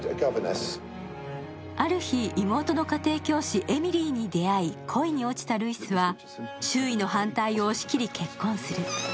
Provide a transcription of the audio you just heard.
ある日、妹の家庭教師・エミリーに出会い、恋に落ちたルイスは、周囲の反対を押し切り結婚する。